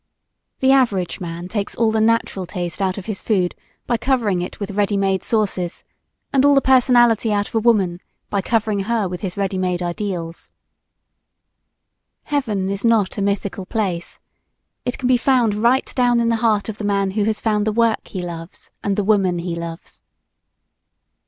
The average man takes all the natural taste out of his food by covering it with ready made sauces, and all the personality out of a woman by covering her with his ready made ideals. Heaven is not a mythical place. It can be found right down in the heart of the man who has found the work he loves and the woman he loves.